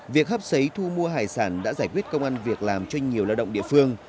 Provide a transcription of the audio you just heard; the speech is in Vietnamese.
việc hấp xấy thu mua hải sản đã giải quyết công an việc làm cho nhiều lao động địa phương